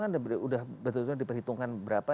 kan udah betul betul diperhitungkan berapa